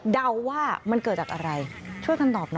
เดาว่ามันเกิดจากอะไรช่วยกันตอบหน่อย